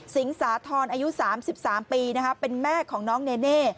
สิงสาธรณ์อายุ๓๓ปีเป็นแม่ของน้องเนเน่